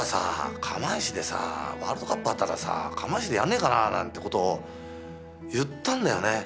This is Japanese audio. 釜石でワールドカップあったら釜石でやんねえかななんてことを言ったんだよね。